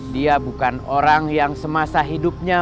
dia bukan orang yang semasa hidupnya